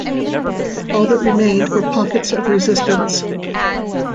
All that remained were pockets of resistance.